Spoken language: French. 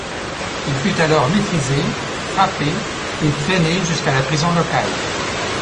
Il fut alors maîtrisé, frappé et traîné jusqu'à la prison locale.